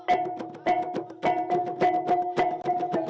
ayo maju juga kendali terus